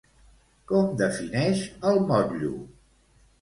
Com defineix el motllo?